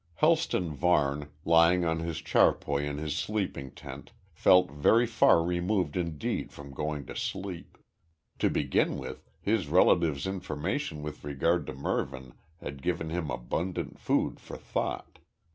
Helston Varne, lying on his charpoy in his sleeping tent, felt very far removed indeed from going to sleep. To begin with, his relative's information with regard to Mervyn had given him abundant food for thought.